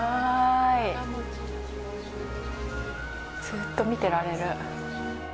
ずっと見てられる。